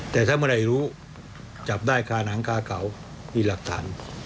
แต่ถ้าเมื่อไหร่รู้จับได้คาหนังคาเก่ามีหลักฐาน